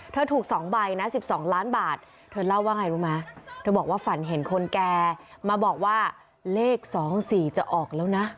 เธอถูกสองใบนะสิบสองล้านบาทเธอเล่าว่าไงรู้มั้ยเธอบอกว่าฝันเห็นคนแกมาบอกว่าเลขสองสี่จะออกแล้วนะ